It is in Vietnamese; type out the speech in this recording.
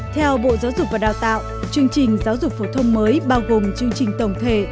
theo bộ giáo dục và đào tạo chương trình giáo dục phổ thông mới bao gồm chương trình tổng thể